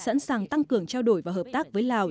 sẵn sàng tăng cường trao đổi và hợp tác với lào